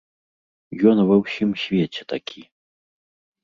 Ён ва ўсім свеце такі.